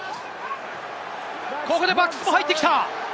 ここでバックスも入ってきた！